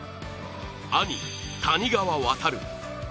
兄・谷川航。